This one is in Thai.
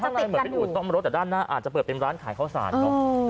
ถ้าเป็นเหมือนเป็นอู่ซ่อมรถแต่ด้านหน้าอาจจะเปิดเป็นร้านขายข้าวสารเนอะ